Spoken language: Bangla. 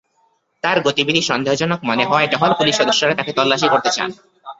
তাঁর গতিবিধি সন্দেহজনক মনে হওয়ায় টহল পুলিশ সদস্যরা তাঁকে তল্লাশি করতে চান।